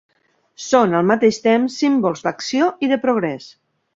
Són, al mateix temps, símbols d"acció i de progrés.